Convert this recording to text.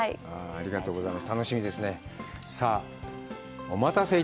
ありがとうございます。